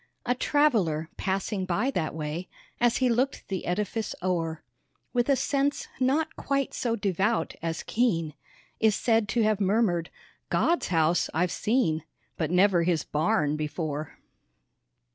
A traveller, passing by that way, As he looked the edifice o'er, With a sense not quite so devout as keen, Is said to have murmered, "God's house I've seen, But never His barn before!"